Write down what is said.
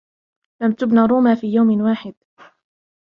لم تبن روما في يوم واحد.